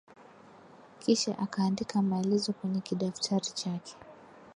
Kisha akaandika maelezo kwenye kidaftari chake